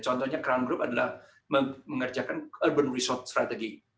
contohnya crown group adalah mengerjakan urban resort strategy